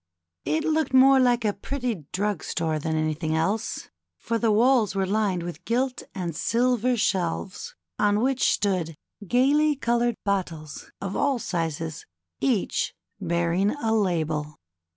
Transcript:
It looked more like a pretty drug store than anything POLLY'S VISIT TO THE BOOK KITCHEN. 165 else, for the walls were lined with gilt and silver shelves, on which stood gayly colored bottles of all sizes, each bearing a label.